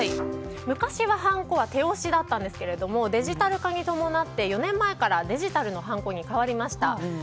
昔はハンコは手押しだったんですがデジタル化に伴って４年前からデジタルのハンコに変わりました。